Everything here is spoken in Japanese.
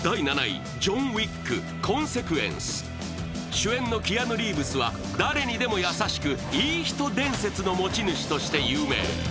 主演のキアヌ・リーブスは誰にでも優しくいい人伝説の持ち主として有名。